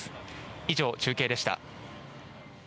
以上、中継でした。